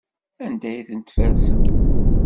Anda ay ten-tfersemt?